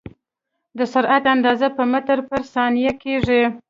د سرعت اندازه په متر پر ثانیه کېږي.